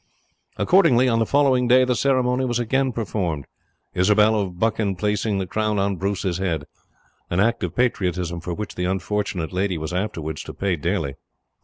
Accordingly on the following day the ceremony was again performed, Isobel of Buchan placing the crown on Bruce's head, an act of patriotism for which the unfortunate lady was afterwards to pay dearly.